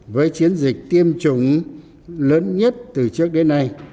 với chiến dịch tiêm chủng lớn nhất từ trước đến nay